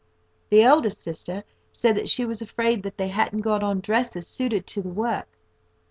The elder sister said that she was afraid that they hadn't got on dresses suited to the work.